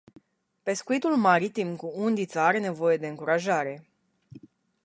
Pescuitul maritim cu undița are nevoie de încurajare.